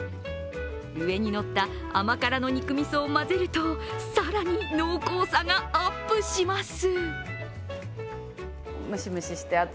上にのった甘辛の肉みそを混ぜると、更に濃厚さがアップします。